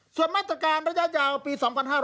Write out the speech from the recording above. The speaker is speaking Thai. ส่วนมาตรการระยะยาวปี๒๕๕๙